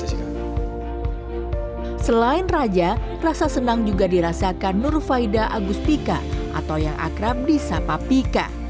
selain raja rasa senang juga dirasakan nur faida agustika atau yang akrab di sapa pika